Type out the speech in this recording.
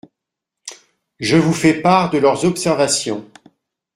Je vous fais part de leurs observations.